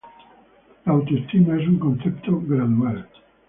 La autoestima es un concepto "gradual".